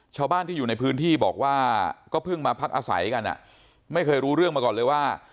ชาวบ้านที่อยู่ในพื้นที่บอกว่าก็เพิ่งมาพักอาศัยกันไม่เคยรู้เรื่องมาก่อนเลยว่า